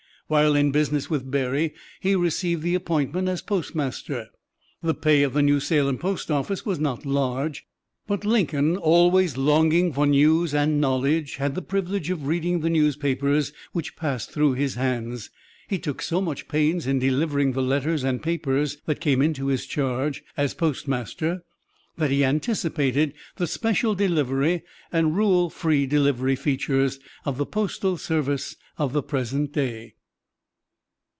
While in business with Berry he received the appointment as postmaster. The pay of the New Salem post office was not large, but Lincoln, always longing for news and knowledge, had the privilege of reading the newspapers which passed through his hands. He took so much pains in delivering the letters and papers that came into his charge as postmaster that he anticipated the "special delivery" and "rural free delivery" features of the postal service of the present day.